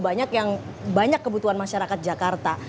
banyak yang banyak kebutuhan masyarakat jakarta